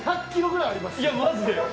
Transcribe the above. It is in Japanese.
２００ｋｇぐらいありますよ。